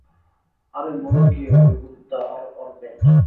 আরে মরুক গিয়ে ঐ গুপ্তা আর ওর ব্যান্ড।